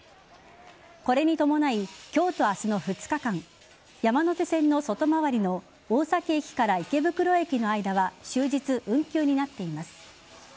これに伴い、今日と明日の２日間山手線の外回りの大崎駅から池袋駅の間は終日運休になっています。